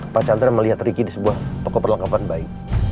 pak chandra melihat ricky di sebuah toko perlengkapan bayi